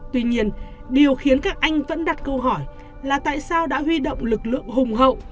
tuy nhiên điều khiến các anh vẫn đặt câu hỏi là tại sao đã huy động lực lượng hùng hậu